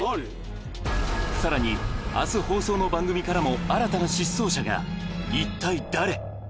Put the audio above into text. さらに明日放送の番組からも新たな失踪者が一体誰？